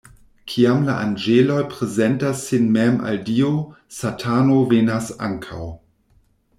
Kiam la anĝeloj prezentas sin mem al Dio, Satano venas ankaŭ.